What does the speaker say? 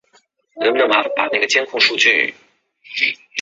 以此得来的收入让建筑师有足够的预算保证成事。